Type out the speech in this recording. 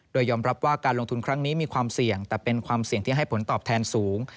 โดยยอมรับว่าการลงทุนครั้งนี้มีความเสี่ยงแต่เป็นความเสี่ยงที่ให้ผลตอบแทนสูง